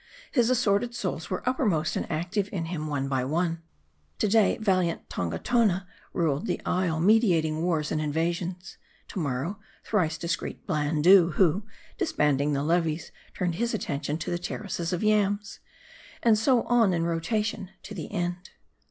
His assorted souls were uppermost and active in him, one by one. To day, valiant Tongatona ruled the isle, meditating wars and invasions ; to morrow, thrice discreet Blandoo, who, dis banding the levies, turned his attention to the terraces of yams. And so on in rotation to the end.